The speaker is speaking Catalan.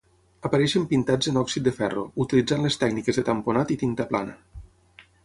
Apareixen pintats en òxid de ferro, utilitzant les tècniques de tamponat i tinta plana.